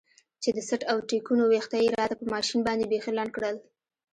چې د څټ او ټېکونو ويښته يې راته په ماشين باندې بيخي لنډ کړل.